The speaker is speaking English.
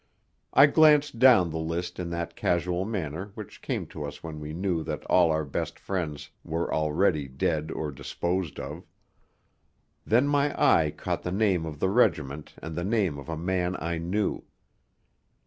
I glanced down the list in that casual manner which came to us when we knew that all our best friends were already dead or disposed of. Then my eye caught the name of the regiment and the name of a man I knew.